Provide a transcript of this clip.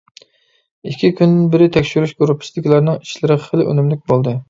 ئىككى كۈندىن بېرى تەكشۈرۈش گۇرۇپپىسىدىكىلەرنىڭ ئىشلىرى خېلى ئۈنۈملۈك بولدى.